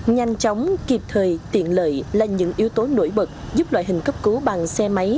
nhanh chóng kịp thời tiện lợi là những yếu tố nổi bật giúp loại hình cấp cứu bằng xe máy